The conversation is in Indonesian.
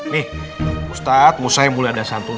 nih ustadz mau saya mulai ada santun